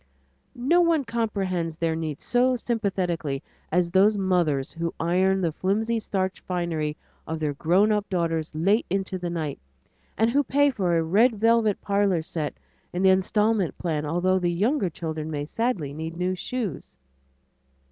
No one comprehends their needs so sympathetically as those mothers who iron the flimsy starched finery of their grown up daughters late into the night, and who pay for a red velvet parlor set on the installment plan, although the younger children may sadly need new shoes.